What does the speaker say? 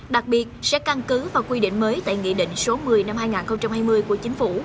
đặc biệt sẽ căn cứ vào quy định mới tại nghị định số một mươi năm hai nghìn hai mươi của chính phủ